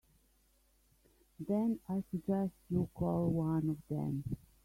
Then I suggest you call one of them.